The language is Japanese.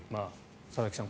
佐々木さん